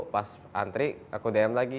pas antri aku dm lagi